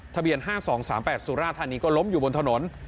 ทะเบียน๕๒๓๘สุราธานีก็ล้มอยู่บนถนน